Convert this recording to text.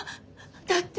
だって！